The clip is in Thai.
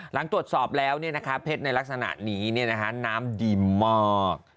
หลังตรวจสอบแล้วเนี่ยนะคะเพชรในลักษณะนี้เนี่ยนะคะน้ำดีมาก